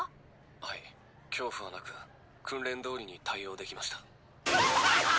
はい恐怖はなく訓練通りに対応できました。